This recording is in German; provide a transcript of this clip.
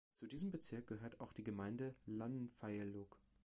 Zu diesem Bezirk gehört auch die Gemeinde Llanfaelog.